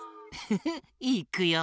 フフフいくよ！